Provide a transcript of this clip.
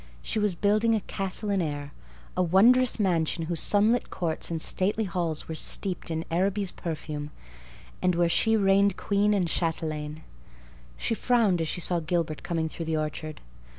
She was building a castle in air—a wondrous mansion whose sunlit courts and stately halls were steeped in Araby's perfume, and where she reigned queen and chatelaine. She frowned as she saw Gilbert coming through the orchard.